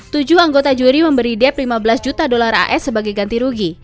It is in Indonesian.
tujuh anggota juri memberi dep lima belas juta dolar as sebagai ganti rugi